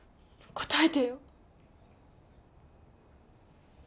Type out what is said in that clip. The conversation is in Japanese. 答えてよ。